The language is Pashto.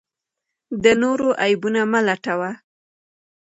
د نورو عیبونه مه لټوه.